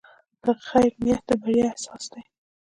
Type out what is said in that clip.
د خیر نیت د بریا اساس دی.